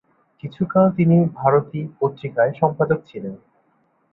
কিছুকাল তিনি "ভারতী" পত্রিকার সম্পাদক ছিলেন।